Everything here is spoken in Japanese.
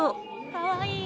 かわいい。